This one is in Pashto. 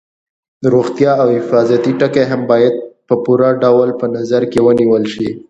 روغتیا او حفاظتي ټکي هم باید په پوره ډول په نظر کې ونیول شي.